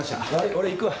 俺行くわ。